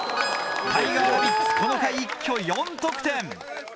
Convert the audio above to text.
タイガーラビッツこの回一挙４得点。